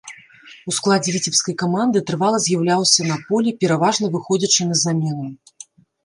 У складзе віцебскай каманды трывала з'яўляўся на полі, пераважна выходзячы на замену.